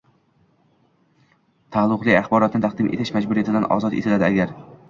taalluqli axborotni taqdim etish majburiyatidan ozod etiladi, agar: